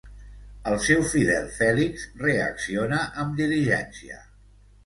El seu fidel Fèlix reacciona amb diligència.